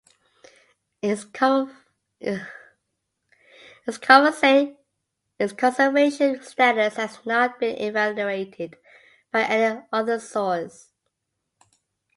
Its conservation status has not been evaluated by any other source.